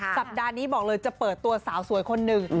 สัปดาห์นี้บอกเลยจะเปิดตัวสาวสวยคนหนึ่ง